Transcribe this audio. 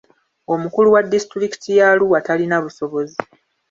Omukulu wa disitulikiti ya Arua talina busobozi.